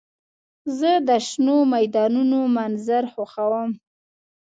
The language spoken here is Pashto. زه د شنو میدانونو منظر خوښوم.